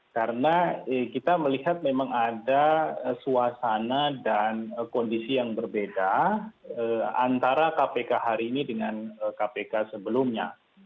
karena kita melihat memang ada suasana dan kondisi yang berbeda antara kpk hari ini dengan kpk sebelumnya